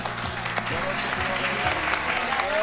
よろしくお願いします。